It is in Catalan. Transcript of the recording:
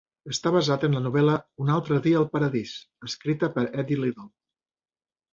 Està basat en la novel·la "Un altre dia al paradís" escrita per Eddie Little.